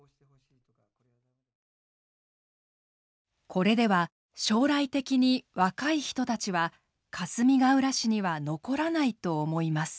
「これでは将来的に若い人たちはかすみがうら市には残らないと思います」。